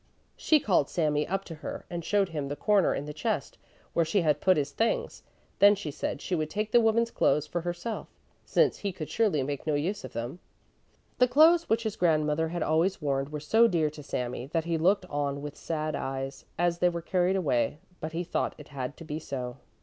She called Sami up to her, and showed him the corner in the chest where she had put his things. Then she said she would take the woman's clothes for herself, since he could surely make no use of them. The clothes which his grandmother had always worn were so dear to Sami, that he looked on with sad eyes, as they were carried away, but he thought it had to be so.